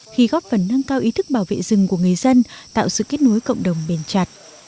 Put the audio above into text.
khi góp phần nâng cao ý thức bảo vệ rừng của người dân tạo sự kết nối cộng đồng bền chặt